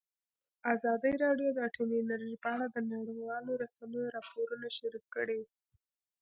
ازادي راډیو د اټومي انرژي په اړه د نړیوالو رسنیو راپورونه شریک کړي.